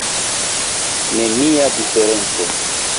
Nenia diferenco!